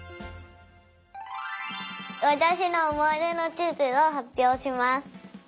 わたしのおもいでのちずをはっぴょうします。